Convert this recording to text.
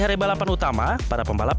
hari balapan utama para pembalap